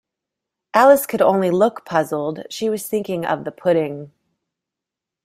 Alice could only look puzzled: she was thinking of the pudding.